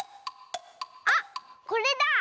あっこれだ！